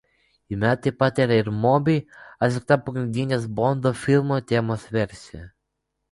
Jame taip pat yra Moby atlikta pagrindinės Bondo filmų temos versija.